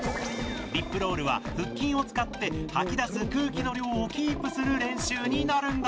リップロールは腹筋を使って吐き出す空気の量をキープする練習になるんだ。